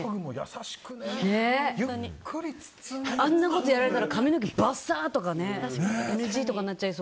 あんなことやられたら髪の毛バッサーとかね。